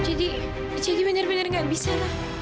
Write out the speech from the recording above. jadi jadi benar benar tidak bisa